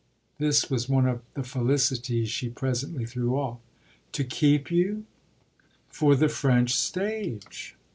This was one of the felicities she presently threw off. "To keep you?" "For the French stage.